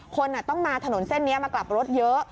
คนต้องมาถนนเส้นนี้มากลับรถเยอะ